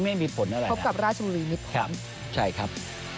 ที่ไม่มีผลอะไรนะครับใช่ครับ